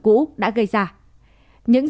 cũ đã gây ra những